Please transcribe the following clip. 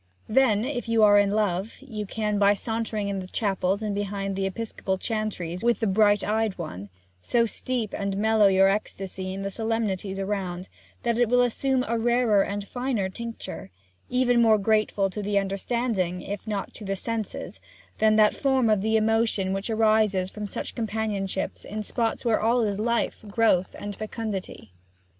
Then, if you are in love, you can, by sauntering in the chapels and behind the episcopal chantries with the bright eyed one, so steep and mellow your ecstasy in the solemnities around, that it will assume a rarer and finer tincture, even more grateful to the understanding, if not to the senses, than that form of the emotion which arises from such companionship in spots where all is life, and growth, and fecundity.